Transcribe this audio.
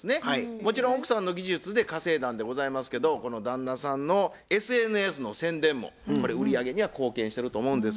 もちろん奥さんの技術で稼いだんでございますけどこの旦那さんのＳＮＳの宣伝も売り上げには貢献してると思うんです。